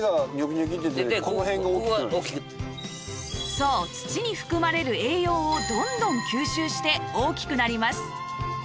そう土に含まれる栄養をどんどん吸収して大きくなります